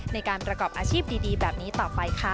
ในการประกอบอาชีพดีแบบนี้ต่อไปค่ะ